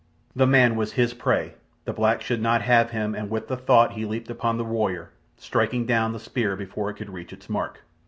The man was his prey—the black should not have him, and with the thought he leaped upon the warrior, striking down the spear before it could reach its mark.